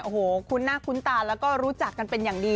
โอ้โหคุ้นหน้าคุ้นตาแล้วก็รู้จักกันเป็นอย่างดี